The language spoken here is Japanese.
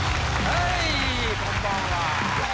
はい。